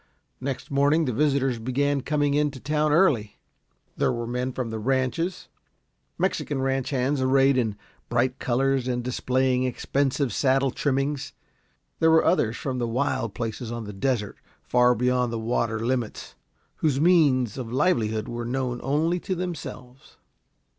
Next morning the visitors began coming in to town early. There were men from the ranches, Mexican ranch hands arrayed in bright colors and displaying expensive saddle trimmings. There were others from the wild places on the desert, far beyond the water limits, whose means of livelihood were known only to themselves.